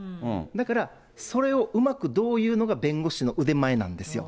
だからそれをうまくどう言うのが弁護士の腕前なんですよ。